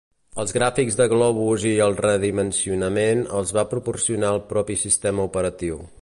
Els gràfics de globus i el redimensionament els va proporcionar el propi sistema operatiu.